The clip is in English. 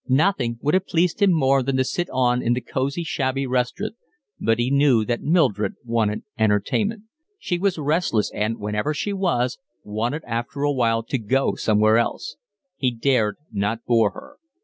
Nothing would have pleased him more than to sit on in the cosy, shabby restaurant, but he knew that Mildred wanted entertainment. She was restless and, wherever she was, wanted after a while to go somewhere else. He dared not bore her.